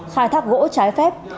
khai thác gỗ trái phép